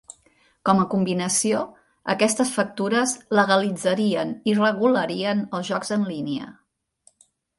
Com a combinació, aquestes factures legalitzarien i regularien els jocs en línia.